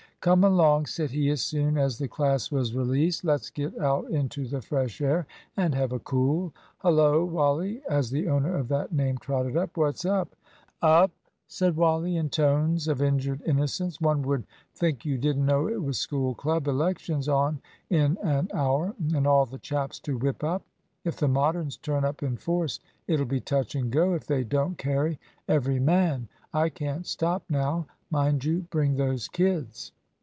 "Come along," said he as soon as the class was released; "let's get out into the fresh air and have a cool. Hullo, Wally," as the owner of that name trotted up, "what's up?" "Up?" said Wally in tones of injured innocence; "one would think you didn't know it was School club elections on in an hour, and all the chaps to whip up! If the Moderns turn up in force, it'll be touch and go if they don't carry every man. I can't stop now mind you bring those kids."